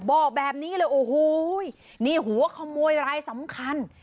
บอกแบบนี้เลยโอ้โหนี่หัวขโมยรายสำคัญ